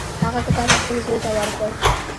هغه کتاب خپل زوی ته ورکړ.